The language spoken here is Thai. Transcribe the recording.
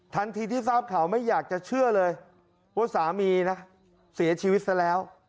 ทันทีที่ทราบข่าวไม่อยากจะเชื่อเลยว่าสามีนะเสียชีวิตซะแล้ว